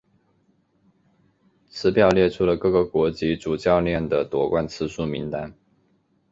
此表列出了各个国籍主教练的夺冠次数名单。